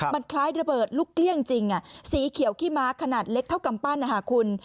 มันคล้ายระเบิดลูกเกลี้ยงจริงสีเขียวขี้ม้าขนาดเล็กเท่ากำปั้นนะคะคุณ